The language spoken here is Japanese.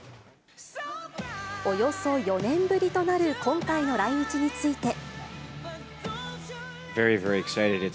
およそ４年ぶりとなる今回の来日について。